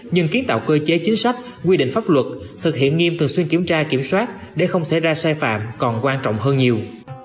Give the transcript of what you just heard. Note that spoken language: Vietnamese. nhưng kiến tạo cơ chế chính sách quy định pháp luật thực hiện nghiêm thường xuyên kiểm tra kiểm soát để không xảy ra sai phạm còn quan trọng hơn nhiều